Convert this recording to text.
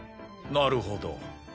なるほど。